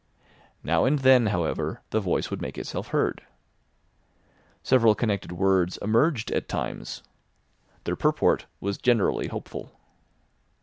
Now and then, however, the voice would make itself heard. Several connected words emerged at times. Their purport was generally hopeful.